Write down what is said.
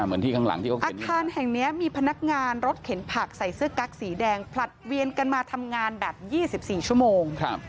อาคารแห่งนี้มีพนักงานรถเข็นผักใส่เสื้อกั๊กสีแดงผลัดเวียนกันมาทำงานแบบ๒๔ชั่วโมง